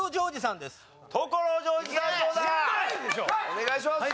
お願いします！